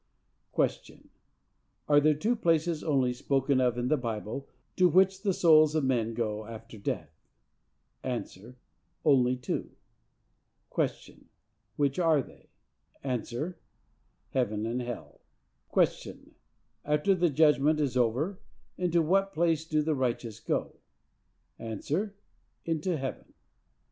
_ Are there two places only spoken of in the Bible to which the souls of men go after death?—A. Only two. Q. Which are they?—A. Heaven and hell. Q. After the Judgment is over, into what place do the righteous go?—A. Into heaven.